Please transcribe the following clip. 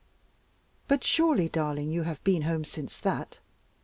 "But surely, darling, you have been home since that?"